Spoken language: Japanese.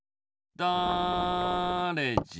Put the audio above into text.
だれじん